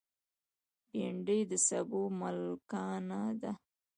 بېنډۍ د سابو ملکانه ده